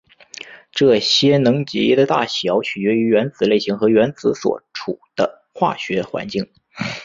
这些能级的大小取决于原子类型和原子所处的化学环境。